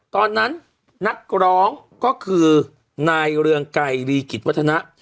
ตอนนั้นนักร้องก็คือนายเรืองไกรรีกิจวัฒนะ